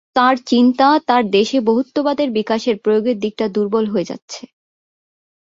তাঁর চিন্তা, তাঁর দেশে বহুত্ববাদের বিকাশের প্রয়োগের দিকটা দুর্বল হয়ে যাচ্ছে।